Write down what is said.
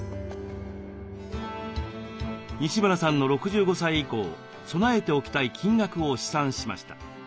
西村さんの６５歳以降備えておきたい金額を試算しました。